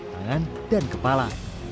tangan dan kepala